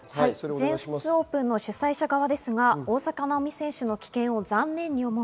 全仏オープンの主催者側ですが、大坂なおみ選手の棄権を残念に思う。